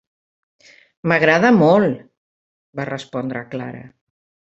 "M'agrada molt", va respondre Clara.